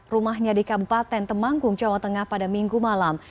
rumahnya di kabupaten temanggung jawa tengah pada minggu malam